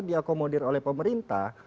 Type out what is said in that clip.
kami dikomodir oleh pemerintah